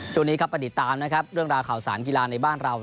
ช่วงนี้ครับมาติดตามนะครับเรื่องราวข่าวสารกีฬาในบ้านเรา